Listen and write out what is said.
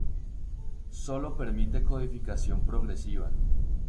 Sólo permite codificación progresiva.